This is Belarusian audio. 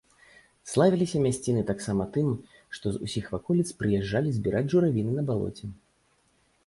Славіліся мясціны таксама тым, што з усіх ваколіц прыязджалі збіраць журавіны на балоце.